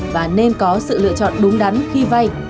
và nên có sự lựa chọn đúng đắn khi vay